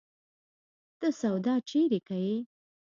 ته سودا چيري کيې؟